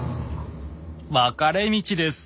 分かれ道です。